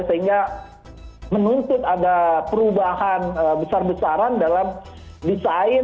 sehingga menuntut ada perubahan besar besaran dalam desain